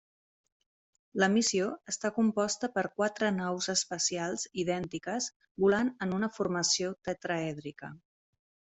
La missió està composta per quatre naus espacials idèntiques volant en una formació tetraèdrica.